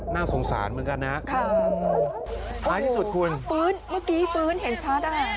น่าสงสารเหมือนกันนะฮะท้ายที่สุดคุณฟื้นเมื่อกี้ฟื้นเห็นชัดอ่ะ